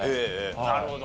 なるほど。